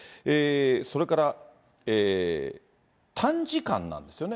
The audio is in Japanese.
それから、短時間なんですよね。